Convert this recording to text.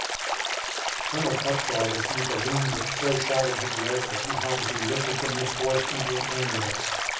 Colonel Cutshaw received a wound which so shattered his leg that he had to be lifted from his horse into an ambulance.